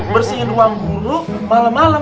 bersihin ruang guru malem malem